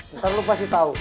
ntar lu pasti tau